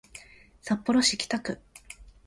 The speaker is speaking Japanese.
札幌市北区